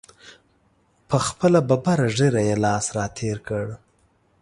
پر خپله ببره ږیره یې لاس را تېر کړ.